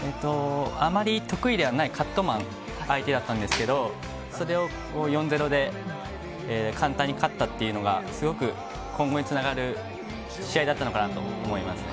あまり得意ではないカットマン相手だったんですけれども、それを４ー０で簡単に勝ったっていうのが、すごく今後につながる試合だったのかなと思いますね。